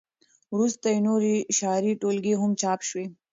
وروسته یې نورې شعري ټولګې هم چاپ شوې.